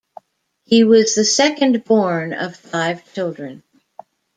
He was the second born of five children.